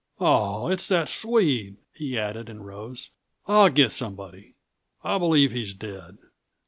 "Oh, it's that Swede," he added, and rose. "I'll get somebody; I believe he's dead."